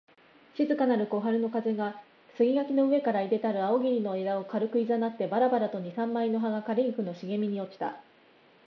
静かなる小春の風が、杉垣の上から出たる梧桐の枝を軽く誘ってばらばらと二三枚の葉が枯菊の茂みに落ちた